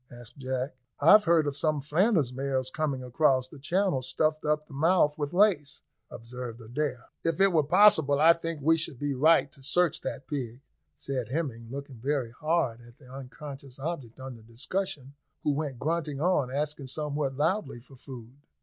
asked Jack, "I've heard of some Flanders mares coming across the Channel stuffed up to the mouth with lace," observed Adair. "If it were possible, I think we should be right to search that pig," said Hemming, looking very hard at the unconscious object under discussion, who went grunting on, asking somewhat loudly for food.